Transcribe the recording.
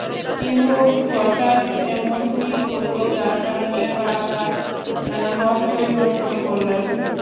কিন্ত হঠাত এমন কী ঘটলো যার কারণে বাবা মত পরিবর্তন করলেন।